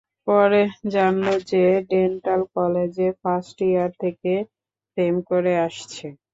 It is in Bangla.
পরে জানল এরা ডেন্টাল কলেজে ফার্স্ট ইয়ার থেকে প্রেম করে আসছে।